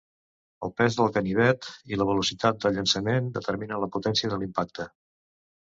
El pes del ganivet i la velocitat de llançament determinen la potència de l'impacte.